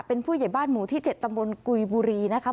เป็นผู้ใหญ่บ้านหมู่ที่๗ตำบลกุยบุรีนะคะ